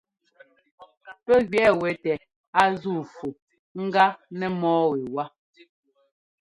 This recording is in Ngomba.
Pɛ́ gẅɛɛ wɛ tɛ a zúu fu ŋgá nɛ mɔ́ɔ wɛwá.